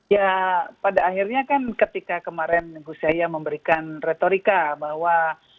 ya pada akhirnya kan ketika kemarin gus yahya memberikan retorika bahwa